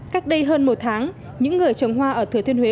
cách đây hơn một tháng những người trồng hoa ở thừa thiên huế